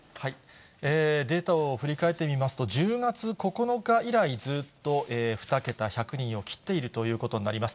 データを振り返ってみますと、１０月９日以来、ずっと２桁、１００人を切っているということになります。